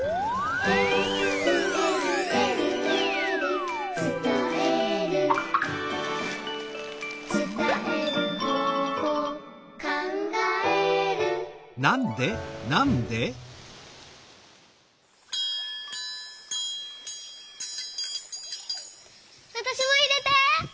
「えるえるえるえる」「つたえる」「つたえる方法」「かんがえる」わたしもいれて！